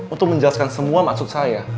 untuk menjelaskan semua maksud saya